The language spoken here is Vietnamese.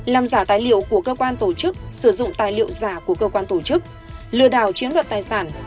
làm giả tài liệu của cơ quan tổ chức sử dụng tài liệu giả của cơ quan tổ chức lừa đảo chiếm đoạt tài sản